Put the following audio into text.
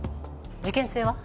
事件性は？